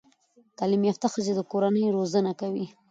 تعليم يافته ښځه د کورنۍ روزانه کوي